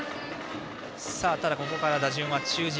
ここから打順は中軸。